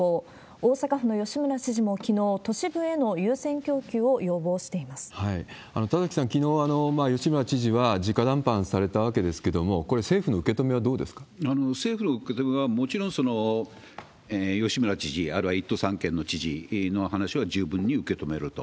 大阪府の吉村知事もきのう、都市部への優先供給を田崎さん、きのう、吉村知事はじか談判されたわけですけれども、これ、政府の受け止政府の受け止めはもちろん、吉村知事、あるいは１都３県の知事のお話は十分に受け止めると。